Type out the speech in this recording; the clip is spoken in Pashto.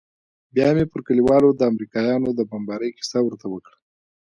بيا مې پر كليوالو د امريکايانو د بمبارۍ كيسه ورته وكړه.